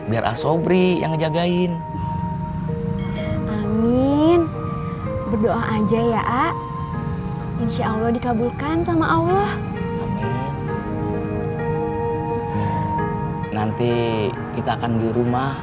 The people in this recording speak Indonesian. ya asal banyak anak kecil